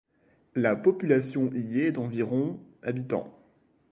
La population y est d'environ habitants.